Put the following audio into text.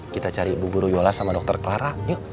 kita cari bu guru yola sama dokter clara yuk